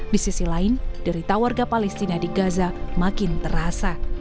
di sisi lain derita warga palestina di gaza makin terasa